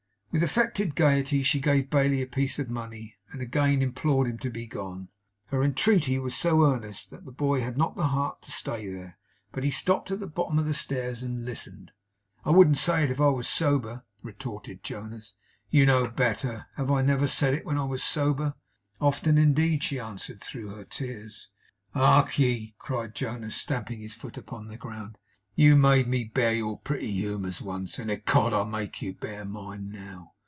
With affected gayety she gave Bailey a piece of money, and again implored him to be gone. Her entreaty was so earnest, that the boy had not the heart to stay there. But he stopped at the bottom of the stairs, and listened. 'I wouldn't say it if I was sober!' retorted Jonas. 'You know better. Have I never said it when I was sober?' 'Often, indeed!' she answered through her tears. 'Hark ye!' cried Jonas, stamping his foot upon the ground. 'You made me bear your pretty humours once, and ecod I'll make you bear mine now.